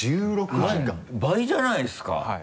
倍じゃないですか。